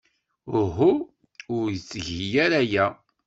Uhu. Ur tgi ara aya.